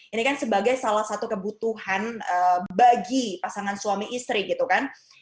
ini kan sebagai salah satu kebutuhan bagi pasangan suami istri gitu kan